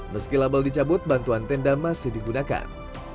meski label dicabut bantuan tenda masih digunakan